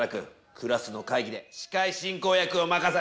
クラスの会議で司会進行役を任されたんだ。